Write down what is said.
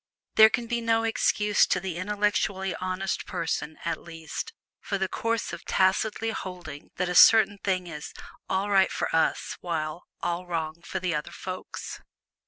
There can be no excuse, to the intellectually honest person at least, for the course of tacitly holding that a certain thing is "all right for us," while "all wrong for the other folks."